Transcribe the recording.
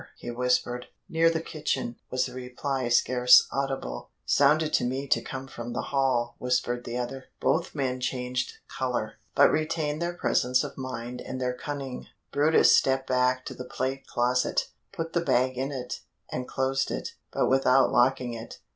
he whispered. "Near the kitchen," was the reply scarce audible. "Sounded to me to come from the hall," whispered the other. Both men changed color, but retained their presence of mind and their cunning. brutus stepped back to the plate closet, put the bag in it, and closed it, but without locking it.